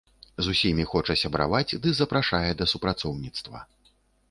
З усімі хоча сябраваць ды запрашае да супрацоўніцтва.